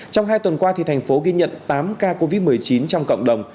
trong hai tuần qua thành phố ghi nhận tám ca covid một mươi chín trong cộng đồng